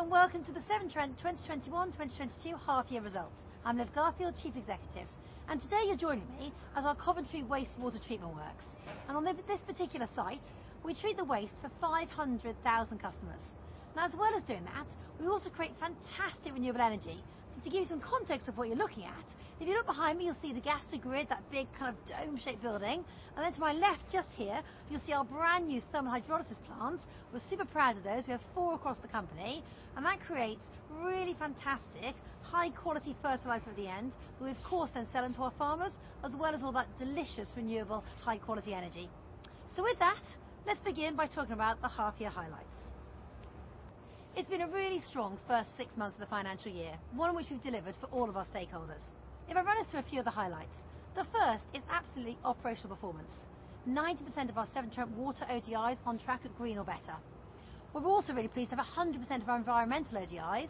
Hello, and welcome to the Severn Trent 2021/2022 half year results. I'm Liv Garfield, Chief Executive, and today you're joining me at our Coventry wastewater treatment works. On this particular site, we treat the waste for 500,000 customers. As well as doing that, we also create fantastic renewable energy. To give you some context of what you're looking at, if you look behind me, you'll see the gas to grid, that big kind of dome-shaped building. Then to my left just here, you'll see our brand new thermal hydrolysis plant. We're super proud of those. We have four across the company, and that creates really fantastic high-quality fertilizer at the end that we, of course, then sell them to our farmers, as well as all that delicious, renewable, high-quality energy. With that, let's begin by talking about the half year highlights. It's been a really strong first six months of the financial year, one in which we've delivered for all of our stakeholders. If I run us through a few of the highlights, the first is absolutely operational performance. 90% of our Severn Trent Water ODIs on track at green or better. We're also really pleased to have 100% of our environmental ODIs,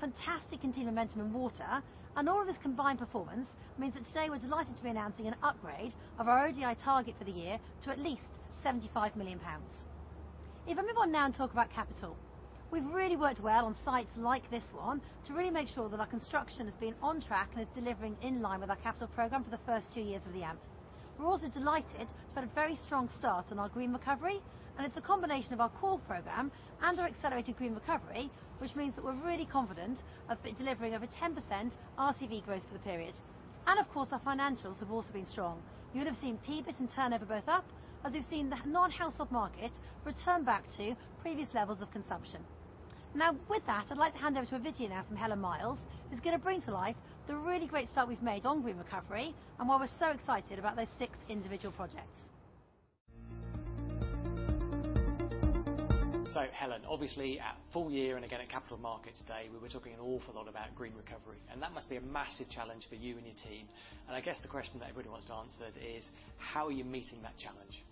fantastic continued momentum in water, and all of this combined performance means that today we're delighted to be announcing an upgrade of our ODI target for the year to at least 75 million pounds. If I move on now and talk about capital. We've really worked well on sites like this one to really make sure that our construction has been on track and is delivering in line with our capital program for the first two years of the AMP. We're also delighted to have a very strong start on our Green Recovery, and it's a combination of our core program and our accelerated Green Recovery, which means that we're really confident of it delivering over 10% RCV growth for the period. Of course, our financials have also been strong. You'll have seen PBIT and turnover both up, as we've seen the non-household market return back to previous levels of consumption. Now, with that, I'd like to hand over to a video now from Helen Miles, who's gonna bring to life the really great start we've made on Green Recovery and why we're so excited about those six individual projects. Helen, obviously at full-year and again at Capital Markets Day, we were talking an awful lot about Green Recovery, and that must be a massive challenge for you and your team. I guess the question that everybody wants answered is: how are you meeting that challenge?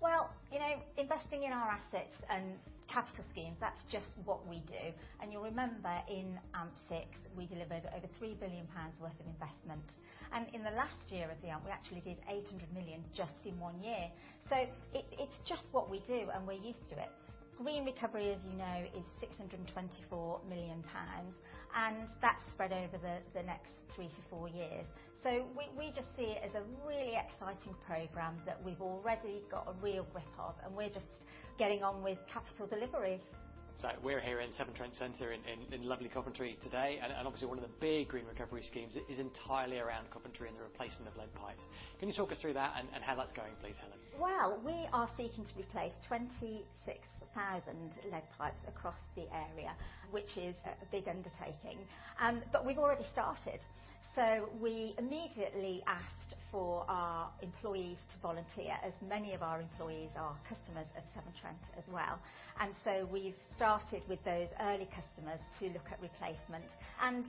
Well, you know, investing in our assets and capital schemes, that's just what we do. You'll remember in AMP6, we delivered over 3 billion pounds worth of investment. In the last year of the AMP, we actually did 800 million just in one year. It, it's just what we do, and we're used to it. Green Recovery, as you know, is 624 million pounds, and that's spread over the next three to four years. We just see it as a really exciting program that we've already got a real grip of, and we're just getting on with capital delivery. We're here in Severn Trent Centre in lovely Coventry today. Obviously one of the big Green Recovery schemes is entirely around Coventry and the replacement of lead pipes. Can you talk us through that and how that's going, please, Helen? Well, we are seeking to replace 26,000 lead pipes across the area, which is a big undertaking, but we've already started. We immediately asked for our employees to volunteer, as many of our employees are customers of Severn Trent as well.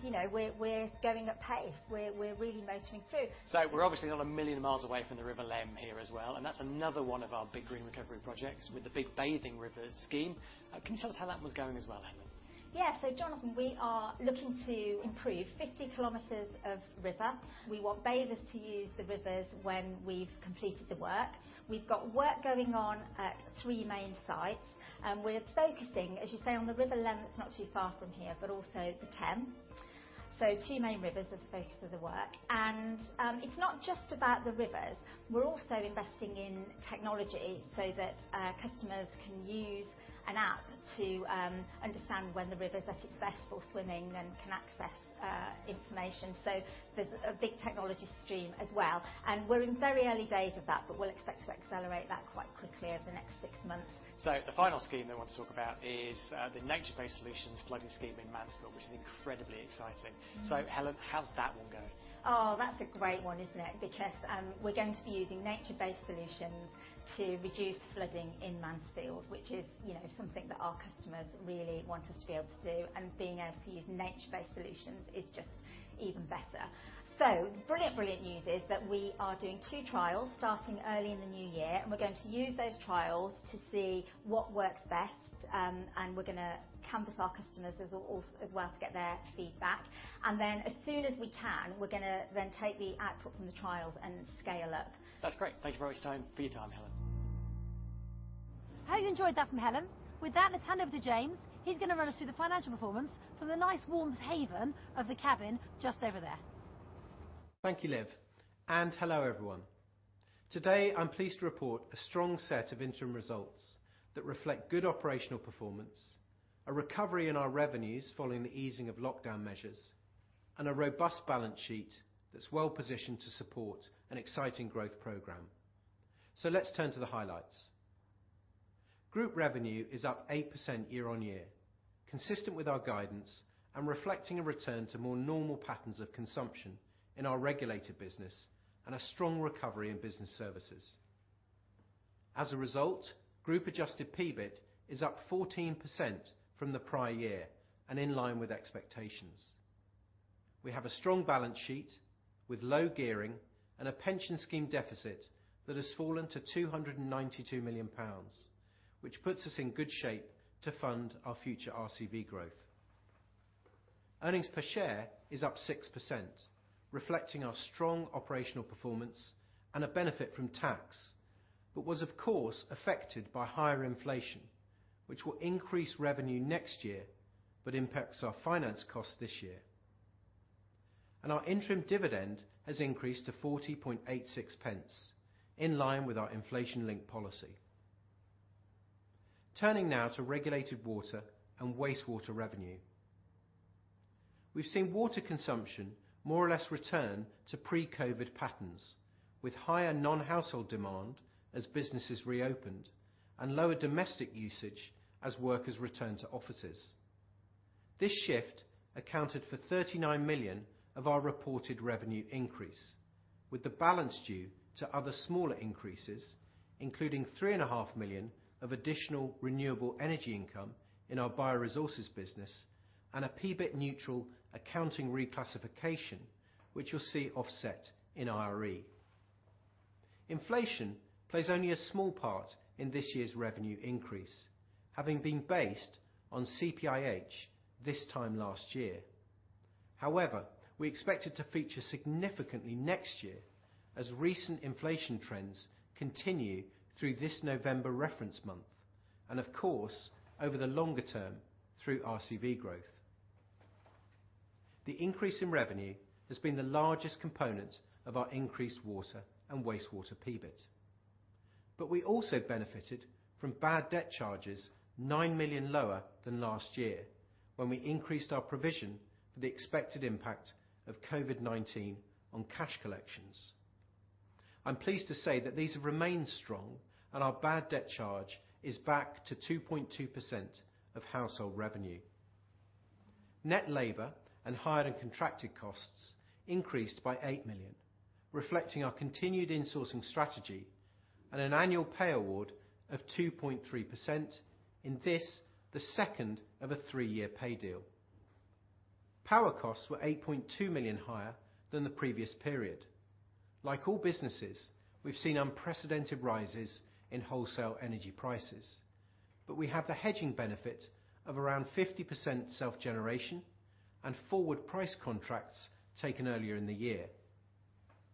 You know, we're going at pace. We're really motoring through. We're obviously not a million miles away from the River Leam here as well, and that's another one of our big Green Recovery projects with the big bathing rivers scheme. Can you tell us how that one's going as well, Helen? Yeah. Jonathan, we are looking to improve 50 km of river. We want bathers to use the rivers when we've completed the work. We've got work going on at three main sites, and we're focusing, as you say, on the River Leam that's not too far from here, but also the Teme. Two main rivers are the focus of the work. It's not just about the rivers. We're also investing in technology so that customers can use an app to understand when the river's at its best for swimming and can access information. There's a big technology stream as well, and we're in very early days of that, but we'll expect to accelerate that quite quickly over the next six months. The final scheme that I want to talk about is the nature-based solutions flooding scheme in Mansfield, which is incredibly exciting. Mm-hmm. Helen, how's that one going? Oh, that's a great one, isn't it? Because we're going to be using nature-based solutions to reduce flooding in Mansfield, which is, you know, something that our customers really want us to be able to do and being able to use nature-based solutions is just even better. The brilliant news is that we are doing two trials starting early in the new year, and we're going to use those trials to see what works best. We're gonna canvas our customers as well to get their feedback. Then as soon as we can, we're gonna then take the output from the trials and scale up. That's great. Thank you very much for your time, Helen. Hope you enjoyed that from Helen. With that, let's hand over to James. He's gonna run us through the financial performance from the nice warm haven of the cabin just over there. Thank you, Liv, and hello, everyone. Today, I'm pleased to report a strong set of interim results that reflect good operational performance, a recovery in our revenues following the easing of lockdown measures, and a robust balance sheet that's well positioned to support an exciting growth program. Let's turn to the highlights. Group revenue is up 8% year-on-year, consistent with our guidance and reflecting a return to more normal patterns of consumption in our regulated business and a strong recovery in business services. As a result, group adjusted PBIT is up 14% from the prior year and in line with expectations. We have a strong balance sheet with low gearing and a pension scheme deficit that has fallen to 292 million pounds, which puts us in good shape to fund our future RCV growth. Earnings per share is up 6%, reflecting our strong operational performance and a benefit from tax, but was of course affected by higher inflation, which will increase revenue next year, but impacts our finance costs this year. Our interim dividend has increased to 0.4086, in line with our inflation-linked policy. Turning now to regulated water and wastewater revenue. We've seen water consumption more or less return to pre-COVID patterns, with higher non-household demand as businesses reopened and lower domestic usage as workers return to offices. This shift accounted for 39 million of our reported revenue increase, with the balance due to other smaller increases, including 3.5 million of additional renewable energy income in our Bioresources business and a PBIT neutral accounting reclassification, which you'll see offset in IRE. Inflation plays only a small part in this year's revenue increase, having been based on CPIH this time last year. However, we expect it to feature significantly next year as recent inflation trends continue through this November reference month, and of course, over the longer term through RCV growth. The increase in revenue has been the largest component of our increased water and wastewater PBIT. We also benefited from bad debt charges 9 million lower than last year, when we increased our provision for the expected impact of COVID-19 on cash collections. I'm pleased to say that these have remained strong and our bad debt charge is back to 2.2% of household revenue. Net labor and hired and contracted costs increased by 8 million, reflecting our continued insourcing strategy and an annual pay award of 2.3%, in this, the second of a three year pay deal. Power costs were 8.2 million higher than the previous period. Like all businesses, we've seen unprecedented rises in wholesale energy prices, but we have the hedging benefit of around 50% self-generation and forward price contracts taken earlier in the year.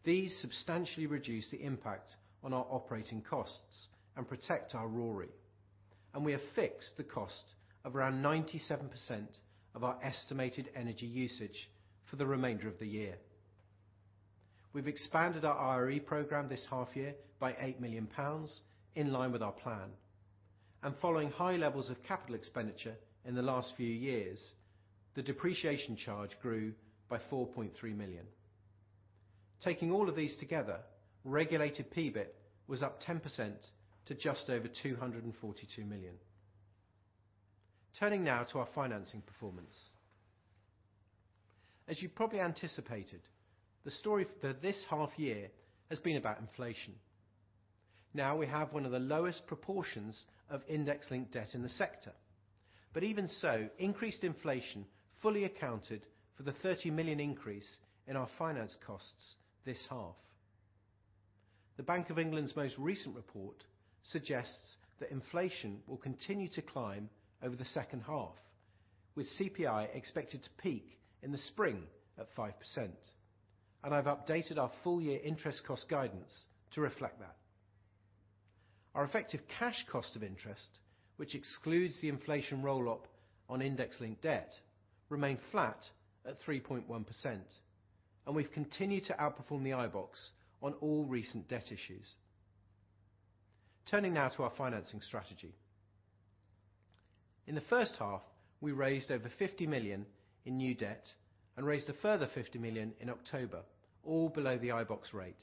These substantially reduce the impact on our operating costs and protect our RoRE, and we have fixed the cost of around 97% of our estimated energy usage for the remainder of the year. We've expanded our IRE program this half year by 8 million pounds, in line with our plan. Following high levels of capital expenditure in the last few years, the depreciation charge grew by 4.3 million. Taking all of these together, regulated PBIT was up 10% to just over 242 million. Turning now to our financing performance. As you probably anticipated, the story for this half year has been about inflation. Now we have one of the lowest proportions of index-linked debt in the sector. But even so, increased inflation fully accounted for the 30 million increase in our finance costs this half. The Bank of England's most recent report suggests that inflation will continue to climb over the second half, with CPI expected to peak in the spring at 5%. I've updated our full-year interest cost guidance to reflect that. Our effective cash cost of interest, which excludes the inflation roll-up on index-linked debt, remained flat at 3.1%, and we've continued to outperform the iBoxx on all recent debt issues. Turning now to our financing strategy. In the first half, we raised over 50 million in new debt and raised a further 50 million in October, all below the iBoxx rate.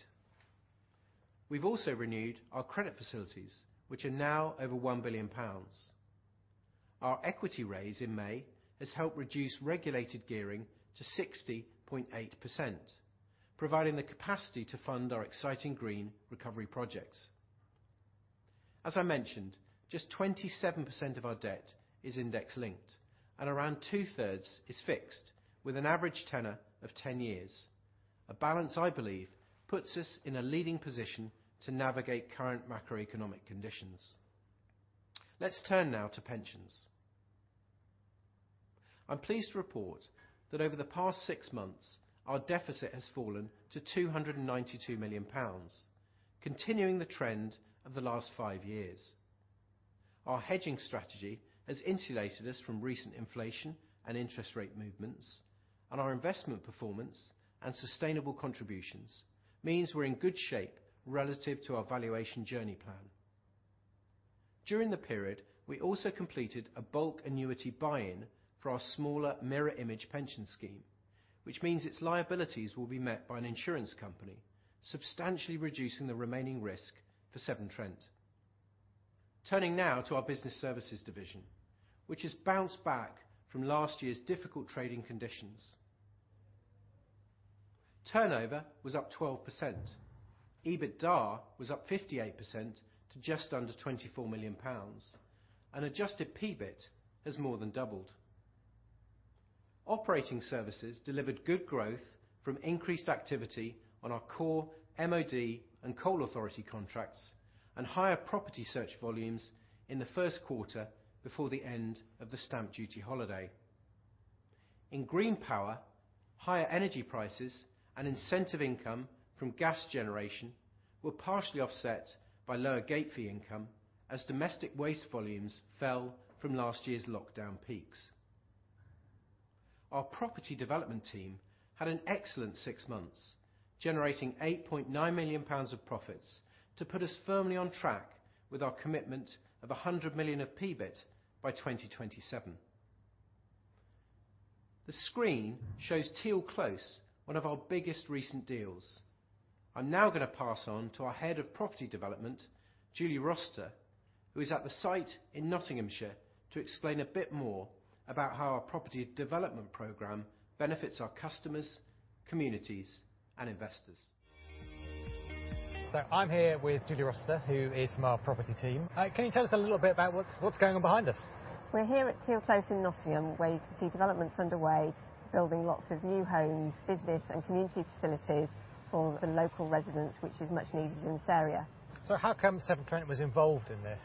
We've also renewed our credit facilities, which are now over 1 billion pounds. Our equity raise in May has helped reduce regulated gearing to 60.8%, providing the capacity to fund our exciting Green Recovery projects. As I mentioned, just 27% of our debt is index-linked, and around 2/3 is fixed with an average tenor of 10 years. A balance I believe puts us in a leading position to navigate current macroeconomic conditions. Let's turn now to pensions. I'm pleased to report that over the past six months, our deficit has fallen to 292 million pounds, continuing the trend of the last five years. Our hedging strategy has insulated us from recent inflation and interest rate movements, and our investment performance and sustainable contributions means we're in good shape relative to our valuation journey plan. During the period, we also completed a bulk annuity buy-in for our smaller Mirror Image Pension Scheme, which means its liabilities will be met by an insurance company, substantially reducing the remaining risk for Severn Trent. Turning now to our Business Services division, which has bounced back from last year's difficult trading conditions. Turnover was up 12%. EBITDA was up 58% to just under 24 million pounds. Adjusted PBIT has more than doubled. Operating services delivered good growth from increased activity on our core MoD and Coal Authority contracts and higher property search volumes in the first quarter before the end of the stamp duty holiday. In green power, higher energy prices and incentive income from gas generation were partially offset by lower gate fee income as domestic waste volumes fell from last year's lockdown peaks. Our property development team had an excellent six months, generating 8.9 million pounds of profits to put us firmly on track with our commitment of 100 million of PBIT by 2027. The screen shows Teal Close, one of our biggest recent deals. I'm now gonna pass on to our head of property development, Julie Rossiter, who is at the site in Nottinghamshire, to explain a bit more about how our property development program benefits our customers, communities, and investors. I'm here with Julie Rossiter, who is from our property team. Can you tell us a little bit about what's going on behind us? We're here at Teal Close in Nottingham, where you can see developments underway, building lots of new homes, business, and community facilities for the local residents, which is much needed in this area. How come Severn Trent was involved in this?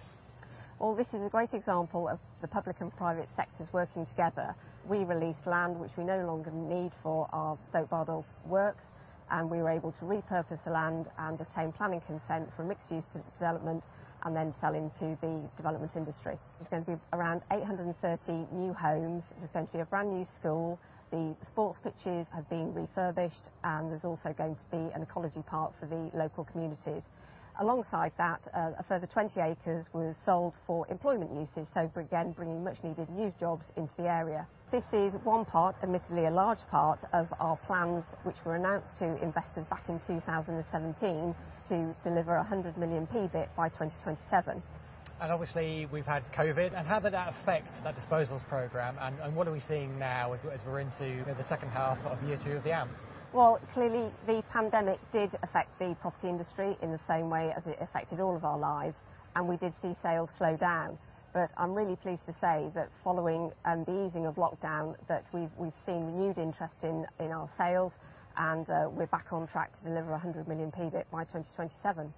Well, this is a great example of the public and private sectors working together. We released land which we no longer need for our Stoke Bardolph works, and we were able to repurpose the land and obtain planning consent for mixed-use redevelopment and then sell into the development industry. There's gonna be around 830 new homes, essentially a brand-new school. The sports pitches have been refurbished, and there's also going to be an ecology park for the local communities. Alongside that, a further 20 acres were sold for employment usage, so again bringing much-needed new jobs into the area. This is one part, admittedly a large part, of our plans, which were announced to investors back in 2017 to deliver 100 million PBIT by 2027. Obviously we've had COVID. How did that affect that disposals program and what are we seeing now as we're into the second half of year two of the AMP? Well, clearly the pandemic did affect the property industry in the same way as it affected all of our lives, and we did see sales slow down. I'm really pleased to say that following the easing of lockdown that we've seen renewed interest in our sales and we're back on track to deliver 100 million PBIT by 2027.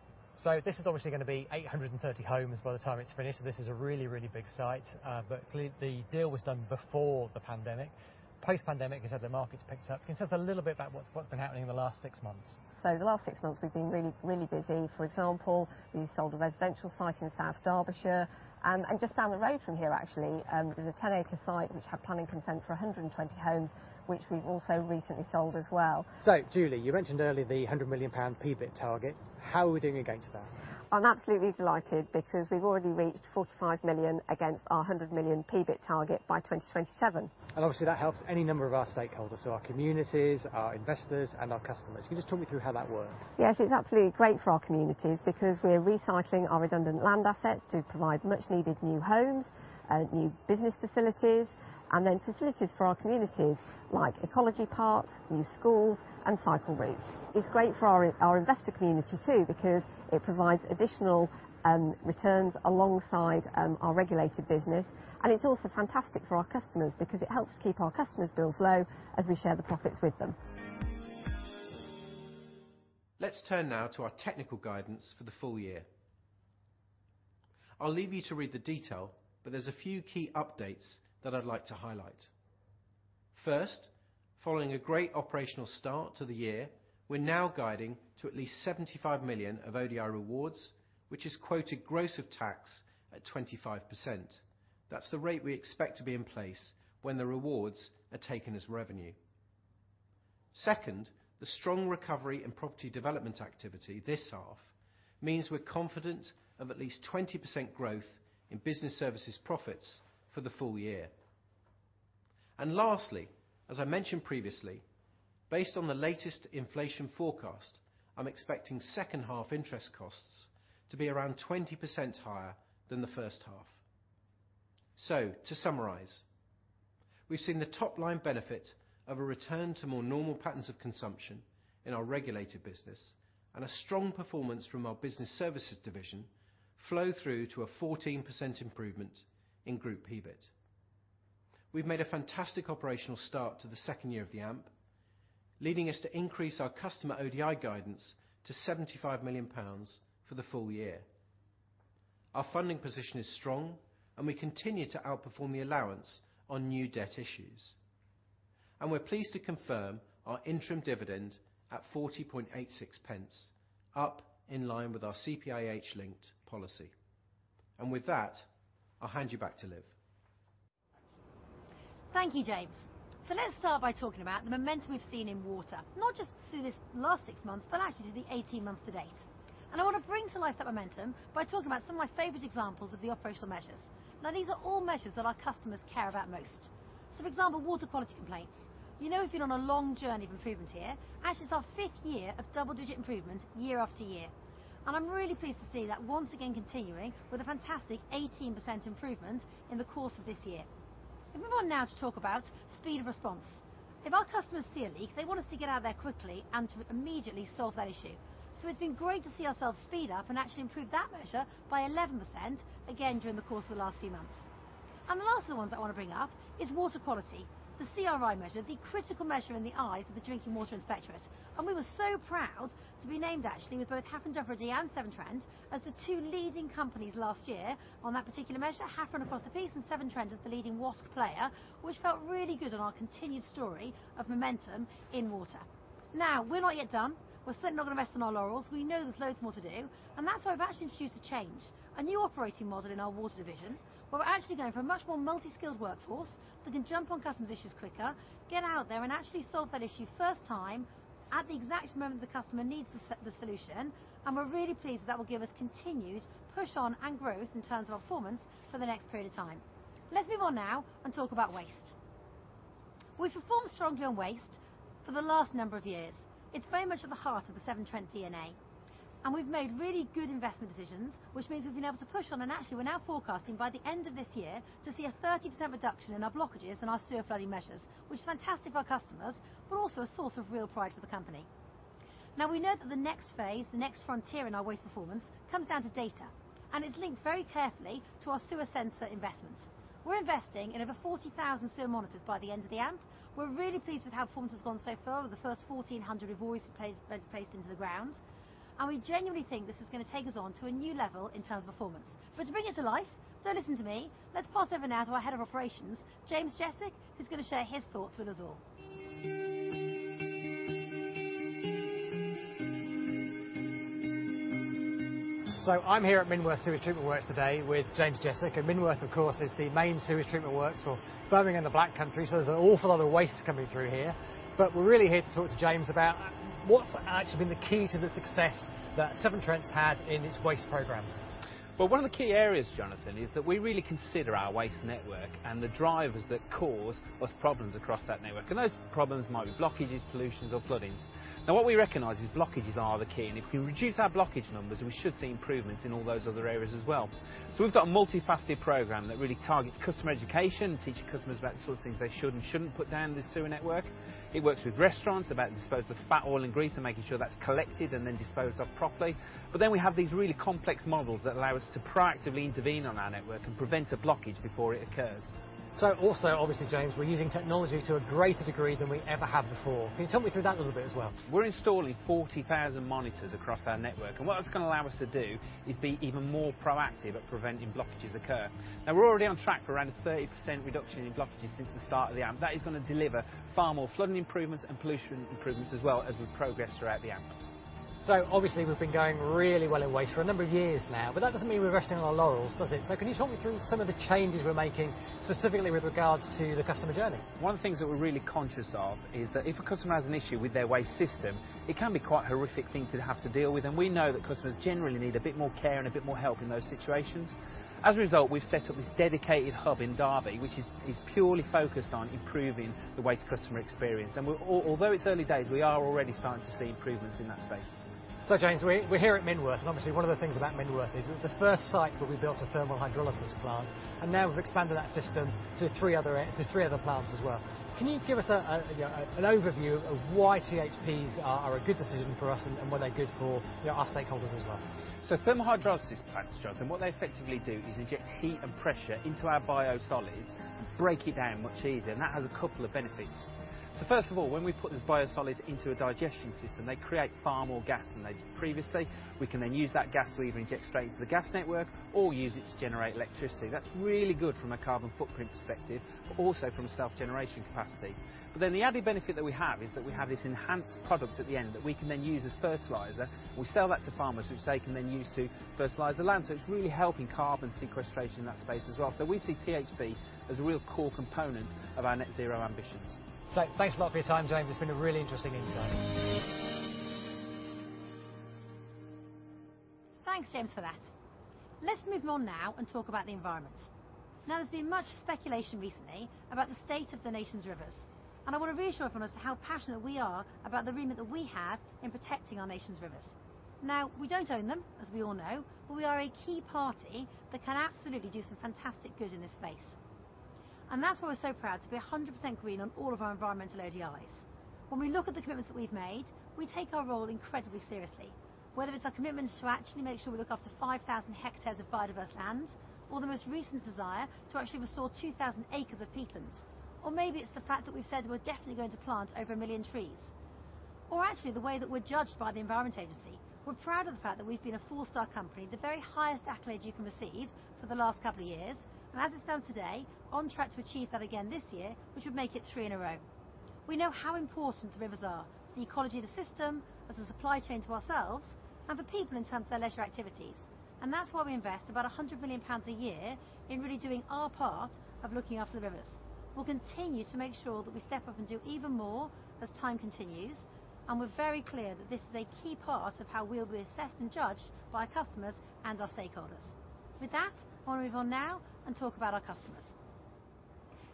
This is obviously gonna be 830 homes by the time it's finished. This is a really, really big site. But the deal was done before the pandemic. Post pandemic, you said the market's picked up. Can you tell us a little bit about what's been happening in the last six months? The last six months we've been really, really busy. For example, we sold a residential site in South Derbyshire, and just down the road from here actually, there's a 10 acre site which had planning consent for 120 homes, which we've also recently sold as well. Julie, you mentioned earlier the 100 million pound PBIT target. How are we doing against that? I'm absolutely delighted because we've already reached 45 million against our 100 million PBIT target by 2027. Obviously that helps any number of our stakeholders, so our communities, our investors, and our customers. Can you just talk me through how that works? Yes, it's absolutely great for our communities because we're recycling our redundant land assets to provide much needed new homes, new business facilities, and then facilities for our communities like ecology parks, new schools, and cycle routes. It's great for our investor community too because it provides additional returns alongside our regulated business, and it's also fantastic for our customers because it helps keep our customers' bills low as we share the profits with them. Let's turn now to our technical guidance for the full-year. I'll leave you to read the detail, but there's a few key updates that I'd like to highlight. First, following a great operational start to the year, we're now guiding to at least 75 million of ODI rewards, which is quoted gross of tax at 25%. That's the rate we expect to be in place when the rewards are taken as revenue. Second, the strong recovery and property development activity this half means we're confident of at least 20% growth in business services profits for the full-year. Lastly, as I mentioned previously, based on the latest inflation forecast, I'm expecting second half interest costs to be around 20% higher than the first half. To summarize, we've seen the top line benefit of a return to more normal patterns of consumption in our regulated business and a strong performance from our business services division flow through to a 14% improvement in group PBIT. We've made a fantastic operational start to the second year of the AMP, leading us to increase our customer ODI guidance to 75 million pounds for the full-year. Our funding position is strong, and we continue to outperform the allowance on new debt issues. We're pleased to confirm our interim dividend at 0.4086, up in line with our CPIH-linked policy. With that, I'll hand you back to Liv. Thank you, James. Let's start by talking about the momentum we've seen in water, not just through this last six months, but actually through the 18 months to date. I wanna bring to life that momentum by talking about some of my favorite examples of the operational measures. Now, these are all measures that our customers care about most. For example, water quality complaints. You know we've been on a long journey of improvement here. Actually, it's our fifth year of double-digit improvement year after year, and I'm really pleased to see that once again continuing with a fantastic 18% improvement in the course of this year. If we move on now to talk about speed of response. If our customers see a leak, they want us to get out there quickly and to immediately solve that issue. It's been great to see ourselves speed up and actually improve that measure by 11% again during the course of the last few months. The last of the ones I wanna bring up is water quality, the CRI measure, the critical measure in the eyes of the Drinking Water Inspectorate. We were so proud to be named actually with both Hafren Dyfrdwy and Severn Trent as the two leading companies last year on that particular measure, Hafren across the piece and Severn Trent as the leading WASC player, which felt really good on our continued story of momentum in water. Now, we're not yet done. We're certainly not gonna rest on our laurels. We know there's loads more to do, and that's why we've actually introduced a change, a new operating model in our water division, where we're actually going for a much more multi-skilled workforce that can jump on customers' issues quicker, get out there and actually solve that issue first time at the exact moment the customer needs the solution, and we're really pleased that will give us continued push on and growth in terms of our performance for the next period of time. Let's move on now and talk about waste. We've performed strongly on waste for the last number of years. It's very much at the heart of the Severn Trent DNA, and we've made really good investment decisions, which means we've been able to push on, and actually we're now forecasting by the end of this year to see a 30% reduction in our blockages and our sewer flooding measures, which is fantastic for our customers, but also a source of real pride for the company. Now, we know that the next phase, the next frontier in our waste performance, comes down to data, and it's linked very carefully to our sewer sensor investment. We're investing in over 40,000 sewer monitors by the end of the AMP. We're really pleased with how performance has gone so far with the first 1,400 we've already placed into the ground, and we genuinely think this is gonna take us on to a new level in terms of performance. To bring it to life, don't listen to me, let's pass over now to our Head of Operations, James Jesic, who's gonna share his thoughts with us all. I'm here at Minworth Sewage Treatment Works today with James Jesic, and Minworth of course, is the main sewage treatment works for Birmingham and the Black Country, so there's an awful lot of waste coming through here. We're really here to talk to James about what's actually been the key to the success that Severn Trent's had in its waste programs. Well, one of the key areas, Jonathan, is that we really consider our waste network and the drivers that cause us problems across that network. Those problems might be blockages, pollutions or floodings. Now what we recognize is blockages are the key, and if we reduce our blockage numbers, we should see improvements in all those other areas as well. We've got a multifaceted program that really targets customer education, teaching customers about the sort of things they should and shouldn't put down the sewer network. It works with restaurants about disposing of fat oil and grease and making sure that's collected and then disposed of properly. We have these really complex models that allow us to proactively intervene on our network and prevent a blockage before it occurs. Also, obviously, James, we're using technology to a greater degree than we ever have before. Can you talk me through that a little bit as well? We're installing 40,000 monitors across our network, and what that's gonna allow us to do is be even more proactive at preventing blockages occurring. Now we're already on track for around a 30% reduction in blockages since the start of the AMP. That is gonna deliver far more flooding improvements and pollution improvements as well as we progress throughout the AMP. Obviously we've been going really well in waste for a number of years now, but that doesn't mean we're resting on our laurels, does it? Can you talk me through some of the changes we're making specifically with regards to the customer journey? One of the things that we're really conscious of is that if a customer has an issue with their waste system, it can be quite a horrific thing to have to deal with, and we know that customers generally need a bit more care and a bit more help in those situations. As a result, we've set up this dedicated hub in Derby, which is purely focused on improving the waste customer experience. Although it's early days, we are already starting to see improvements in that space. James, we're here at Minworth, and obviously one of the things about Minworth is it was the first site that we built a thermal hydrolysis plant, and now we've expanded that system to three other plants as well. Can you give us, you know, an overview of why THPs are a good decision for us and why they're good for, you know, our stakeholders as well? Thermal hydrolysis plants, Jonathan, what they effectively do is inject heat and pressure into our biosolids and break it down much easier, and that has a couple of benefits. First of all, when we put those biosolids into a digestion system, they create far more gas than they did previously. We can then use that gas to either inject straight into the gas network or use it to generate electricity. That's really good from a carbon footprint perspective, but also from a self-generation capacity. But then the added benefit that we have is that we have this enhanced product at the end that we can then use as fertilizer. We sell that to farmers, which they can then use to fertilize the land. It's really helping carbon sequestration in that space as well. We see THP as a real core component of our net zero ambitions. Thanks a lot for your time, James. It's been a really interesting insight. Thanks, James, for that. Let's move on now and talk about the environment. Now, there's been much speculation recently about the state of the nation's rivers, and I want to reassure everyone as to how passionate we are about the remit that we have in protecting our nation's rivers. Now, we don't own them, as we all know, but we are a key party that can absolutely do some fantastic good in this space. That's why we're so proud to be 100% green on all of our environmental ODIs. When we look at the commitments that we've made, we take our role incredibly seriously. Whether it's our commitment to actually make sure we look after 5,000 hectares of biodiverse land, or the most recent desire to actually restore 2,000 acres of peatland. Maybe it's the fact that we've said we're definitely going to plant over 1 million trees. Actually the way that we're judged by the Environment Agency. We're proud of the fact that we've been a four-star company, the very highest accolade you can receive, for the last couple of years. As it stands today, on track to achieve that again this year, which would make it third year in a row. We know how important the rivers are, the ecology of the system as a supply chain to ourselves and for people in terms of their leisure activities. That's why we invest about 100 million pounds a year in really doing our part of looking after the rivers. We'll continue to make sure that we step up and do even more as time continues, and we're very clear that this is a key part of how we'll be assessed and judged by our customers and our stakeholders. With that, I want to move on now and talk about our customers.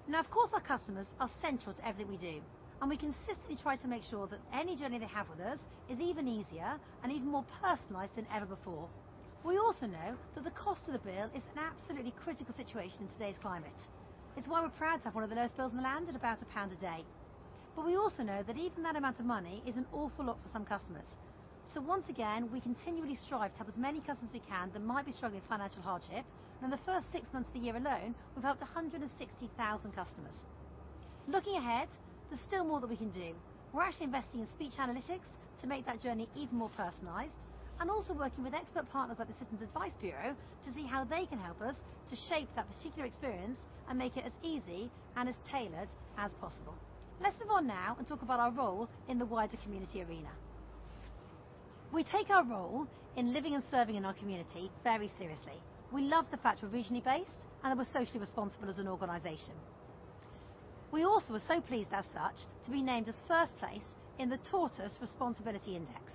Now, of course, our customers are central to everything we do, and we consistently try to make sure that any journey they have with us is even easier and even more personalized than ever before. We also know that the cost of the bill is an absolutely critical situation in today's climate. It's why we're proud to have one of the lowest bills in the land at about GBP 1 a day. We also know that even that amount of money is an awful lot for some customers. Once again, we continually strive to help as many customers as we can that might be struggling with financial hardship. In the first six months of the year alone, we've helped 160,000 customers. Looking ahead, there's still more that we can do. We're actually investing in speech analytics to make that journey even more personalized, and also working with expert partners like the Citizens Advice Bureau to see how they can help us to shape that particular experience and make it as easy and as tailored as possible. Let's move on now and talk about our role in the wider community arena. We take our role in living and serving in our community very seriously. We love the fact we're regionally based and that we're socially responsible as an organization. We also are so pleased, as such, to be named as first place in the Tortoise Responsibility100 Index,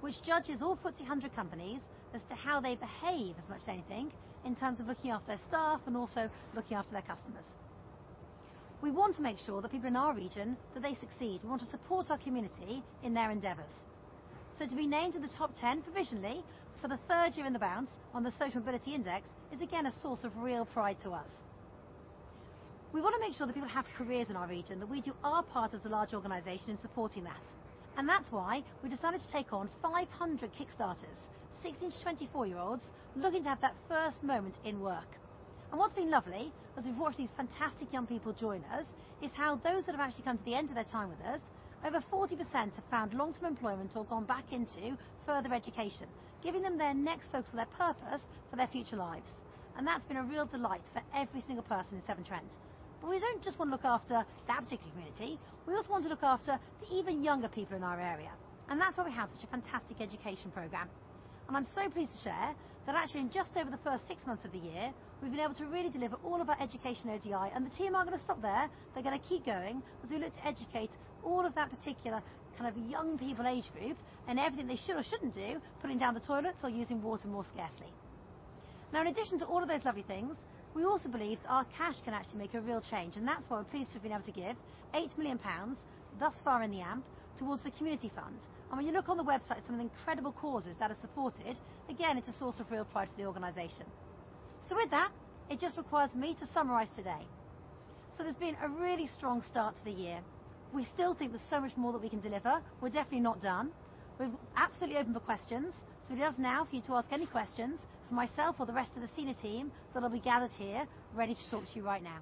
which judges all FTSE 100 companies as to how they behave as much as anything in terms of looking after their staff and also looking after their customers. We want to make sure the people in our region, that they succeed. We want to support our community in their endeavors. To be named in the top 10 for the third year in a row on the Social Mobility Employer Index is again a source of real pride to us. We wanna make sure that people have careers in our region, that we do our part as a large organization in supporting that. That's why we decided to take on 500 Kickstarters, 16-24 year-olds looking to have that first moment in work. What's been lovely as we've watched these fantastic young people join us, is how those that have actually come to the end of their time with us, over 40% have found long-term employment or gone back into further education, giving them their next focus or their purpose for their future lives. That's been a real delight for every single person in Severn Trent. We don't just wanna look after that particular community, we also want to look after the even younger people in our area, and that's why we have such a fantastic education program. I'm so pleased to share that actually in just over the first six months of the year, we've been able to really deliver all of our education ODI, and the team aren't gonna stop there. They're gonna keep going as we look to educate all of that particular kind of young people age group and everything they should or shouldn't do, putting down the toilets or using water more sparingly. Now, in addition to all of those lovely things, we also believe our cash can actually make a real change, and that's why we're pleased to have been able to give 8 million pounds thus far in the AMP towards the community fund. When you look on the website at some of the incredible causes that are supported, again, it's a source of real pride for the organization. With that, it just requires me to summarize today. There's been a really strong start to the year. We still think there's so much more that we can deliver. We're definitely not done. We're absolutely open for questions, so it is now for you to ask any questions for myself or the rest of the senior team that'll be gathered here ready to talk to you right now.